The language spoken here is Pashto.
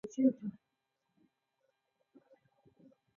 قومونه د افغانستان د اجتماعي جوړښت برخه ده.